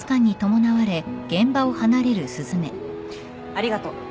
ありがとう。